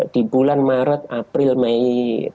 di bulan maret april mei dua ribu dua puluh tiga